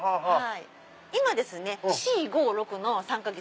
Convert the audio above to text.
今４５６の３か月。